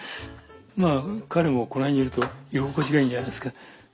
まあ彼もこの辺にいると居心地がいいんじゃないですか。